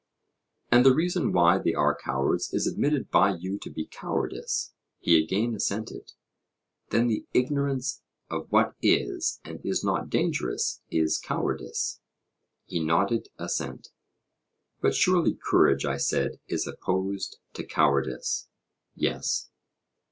And the reason why they are cowards is admitted by you to be cowardice? He again assented. Then the ignorance of what is and is not dangerous is cowardice? He nodded assent. But surely courage, I said, is opposed to cowardice? Yes.